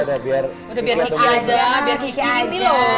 udah biar kiki aja biar kiki ini loh